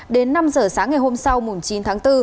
đến năm h sáng ngày hôm sau mùa chín tháng bốn